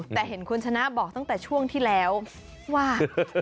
แต่เห็นคุณชนะบอกตั้งแต่ช่วงที่แล้วว่า